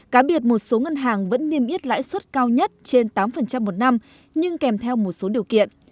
cá biệt một số ngân hàng vẫn niêm yết lãi suất cao nhất trên tám một năm nhưng kèm theo một số điều kiện